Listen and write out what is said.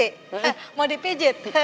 eh mau dipijit